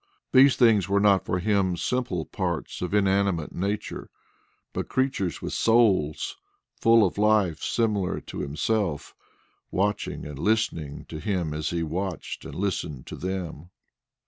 These things were not for him, simple parts of inanimate nature, but creatures with souls, full of life, similar to himself, watching and listening to him as he watched and listened to them.